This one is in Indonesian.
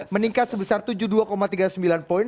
meningkat sebesar tujuh puluh dua tiga puluh sembilan poin